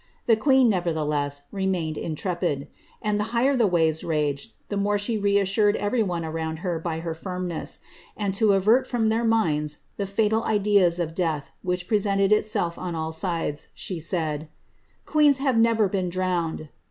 The queen, nevertlieless, remained intrepi'l ; and the higher the wvves raged, the more she reassured every one around her by her tirniness; and, to avert from their minds the fatal ideas of douih which presented itself on all sides, she nid, " Queens have never been drowned."